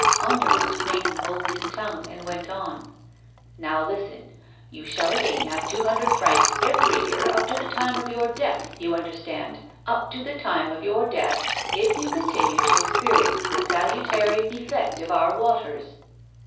Andermatt made him hold his tongue, and went on: "Now, listen! You shall again have two hundred francs every year up to the time of your death you understand up to the time of your death, if you continue to experience the salutary effect of our waters."